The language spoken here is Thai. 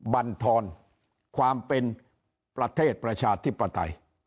บรรทรความเป็นประเทศประชาธิปไตย